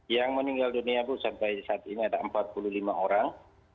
yang meninggal dunia bu sampai saat ini ada empat puluh lima orang